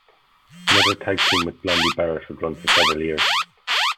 Another tag team with Blondie Barrett would run for several years.